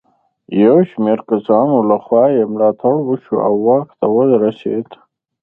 د یو شمېر کسانو له خوا یې ملاتړ وشو او واک ته ورسېد.